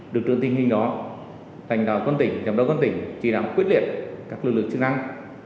được trước tình hình đó thành đạo quân tỉnh giám đốc quân tỉnh chỉ đạo quyết liệt các lực lượng chức năng